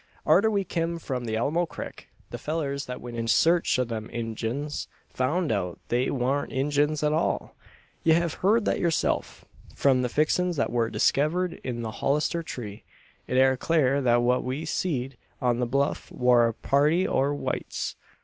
Arter we kim from the Alamo Crik, the fellurs that went in sarch o' them Injuns, foun' out they wan't Injuns at all. Ye hev heern that yurself. From the fixins that war diskevered in the holler tree, it air clur that what we seed on the Bluff war a party o' whites.